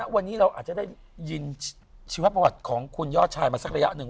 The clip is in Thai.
วันนี้เราอาจจะได้ยินชีวประวัติของคุณยอดชายมาสักระยะหนึ่ง